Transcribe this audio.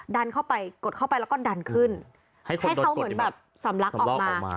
ดันเข้าไปกดเข้าไปแล้วก็ดันขึ้นให้เขาเหมือนแบบสำลักออกมา